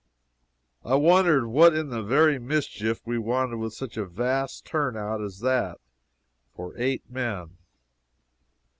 I wondered what in the very mischief we wanted with such a vast turn out as that, for eight men.